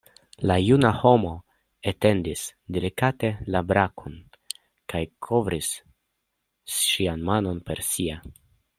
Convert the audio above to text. La juna homo etendis delikate la brakon kaj kovris ŝian manon per sia.